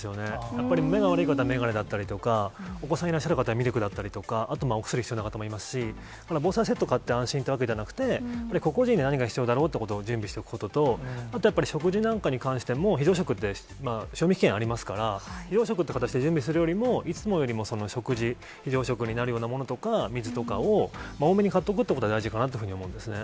やっぱり目が悪い方は眼鏡だったりとか、お子さんいらっしゃる方はミルクだったりとか、あとお薬必要な方もいますし、ただ、防災セットを買って、安心っていうわけじゃなくて、個々人で何が必要だろうということを準備しておくことと、あとなんか、食事なんかに関しても、非常食って、賞味期限ありますから、非常食という形で準備するよりも、いつもよりも食事、非常食になるものとか、水とかを多めに買っておくということが大事かなっていうふうに思うんですね。